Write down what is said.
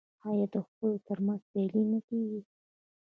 آیا د خیلونو ترمنځ سیالي نه کیږي؟